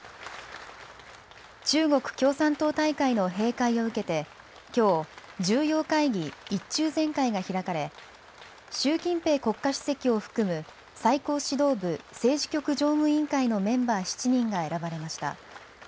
中国共産党大会の閉会を受けてきょう重要会議、１中全会が開かれ習近平国家主席を含む最高指導部、政治局常務委員会のメンバー７人が選ばれました。